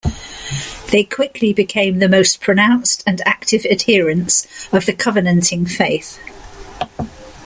They quickly became the most pronounced and active adherents of the covenanting faith.